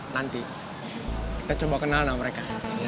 nanti kita coba kenal namanya